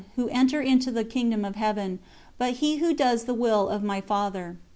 who enter into the Kingdom of Heaven, but he who does the Will of My Father."